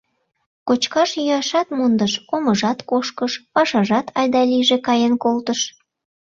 Кочкаш-йӱашат мондыш, омыжат кошкыш, пашажат айда-лийже каен колтыш.